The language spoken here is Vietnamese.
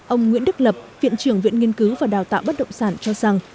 ông nguyễn đức lập viện trưởng viện nghiên cứu và đào tạo bất động sản cho rằng